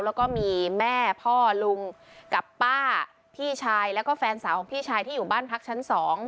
แล้วก็มีแม่พ่อลุงกับป้าพี่ชายแล้วก็แฟนสาวของพี่ชายที่อยู่บ้านพักชั้น๒